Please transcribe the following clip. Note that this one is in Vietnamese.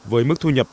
với mức thu nhập